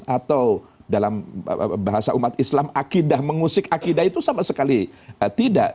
atau dalam bahasa umat islam akidah mengusik akidah itu sama sekali tidak